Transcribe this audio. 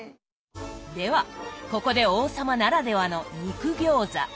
ではここで王様ならではの肉餃子。